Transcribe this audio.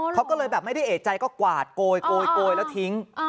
เขาก็เลยแบบไม่ได้เอกใจก็กวาดโกยแล้วทิ้ง